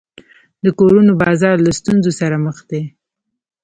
د کورونو بازار له ستونزو سره مخ دی.